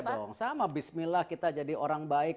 dong sama bismillah kita jadi orang baik